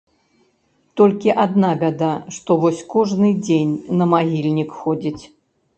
Толькі адна бяда, што вось кожны дзень на магільнік ходзіць.